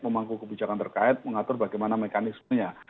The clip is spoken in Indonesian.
memangku kebijakan terkait mengatur bagaimana mekanismenya